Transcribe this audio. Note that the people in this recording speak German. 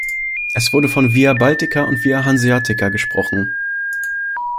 Es wurde von Via Baltica und Via Hanseatica gesprochen.